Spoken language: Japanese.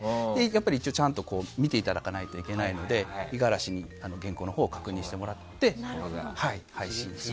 一応ちゃんと見ていただかないといけないので五十嵐に原稿のほうを確認してもらって配信すると。